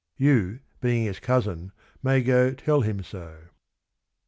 (You being his cousin may go tell him so.)